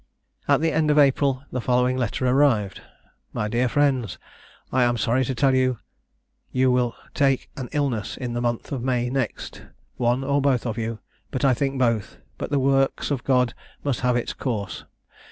At the end of April, the following letter arrived: "My dear Friends. I am sorry to tell you you will take an illness in the month of May next, one or both of you, but I think both, but the works of God must have its course.